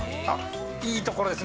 いいところですね。